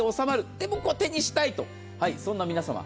でも手にしたいと、そんな皆様。